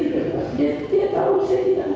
dan dia tidak tahu saya tidak